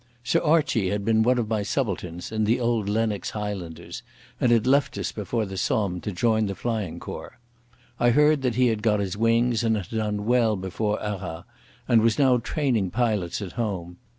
Sir Archie had been one of my subalterns in the old Lennox Highlanders, and had left us before the Somme to join the Flying Corps. I had heard that he had got his wings and had done well before Arras, and was now training pilots at home.